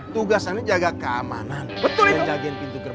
tugasannya jaga keamanan betul betul